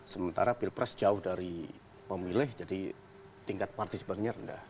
sementara pilpres jauh dari pemilih jadi tingkat partisipasinya rendah